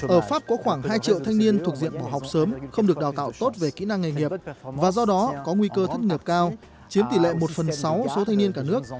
ở pháp có khoảng hai triệu thanh niên thuộc diện bỏ học sớm không được đào tạo tốt về kỹ năng nghề nghiệp và do đó có nguy cơ thất nghiệp cao chiếm tỷ lệ một phần sáu số thanh niên cả nước